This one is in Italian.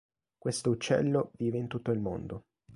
Questo uccello vive in tutto il mondo.